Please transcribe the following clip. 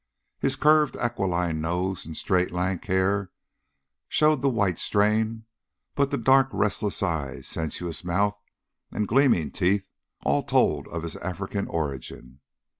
His curved aquiline nose and straight lank hair showed the white strain; but the dark restless eye, sensuous mouth, and gleaming teeth all told of his African origin.